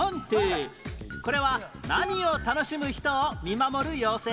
これは何を楽しむ人を見守る妖精？